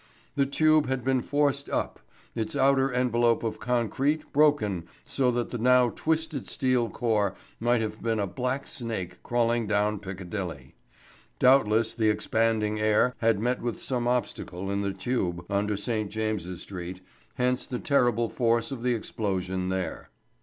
The tube had been forced up, its outer envelope of concrete broken so that the now twisted steel core might have been a black snake crawling down Piccadilly. Doubtless the expanding air had met with some obstacle in the tube under St. James's Street, hence the terrible force of the explosion there.